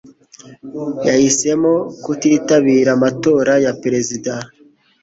Yahisemo kutitabira amatora ya perezida